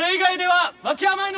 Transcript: はい。